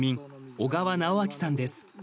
小川直明さんです。